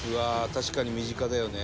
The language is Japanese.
確かに身近だよね」